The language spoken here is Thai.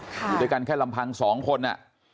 อยู่ด้วยกันแค่ลำพังสองคน